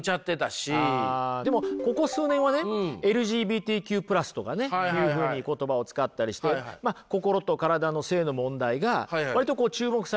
でもここ数年はねＬＧＢＴＱ＋とかねいうふうに言葉を使ったりして心と体の性の問題が割とこう注目されてますよね。